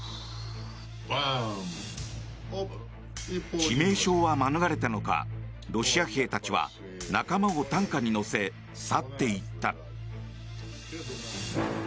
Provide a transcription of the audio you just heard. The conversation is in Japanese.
致命傷は免れたのかロシア兵たちは仲間を担架に乗せ去っていった。